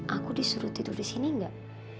aku disuruh tidur di sini enggak